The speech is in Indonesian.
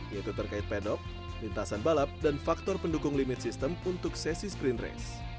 yaitu terkait pedok lintasan balap dan faktor pendukung limit system untuk sesi screen race